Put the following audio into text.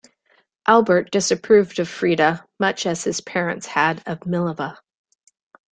Albert disapproved of Frieda much as his parents had of Mileva.